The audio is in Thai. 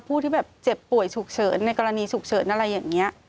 ผู้ที่แบบเจ็บป่วยฉุกเฉินในกรณีฉุกเฉินนายยังไง